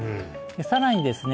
さらにですね